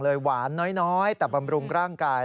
เลยหวานน้อยแต่ประมรุงร่างกาย